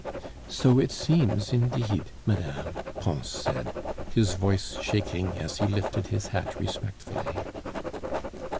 "So it seems indeed, madame," Pons said, his voice shaking as he lifted his hat respectfully.